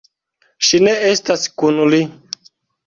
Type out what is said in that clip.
Ŝi ne estas kun li.